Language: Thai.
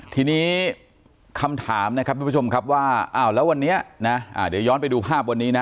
ทีนี้คำถามนะครับทุกผู้ชมครับว่าอ้าวแล้ววันนี้นะเดี๋ยวย้อนไปดูภาพวันนี้นะ